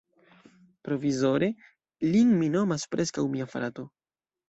Provizore, lin mi nomas preskaŭ mia frato.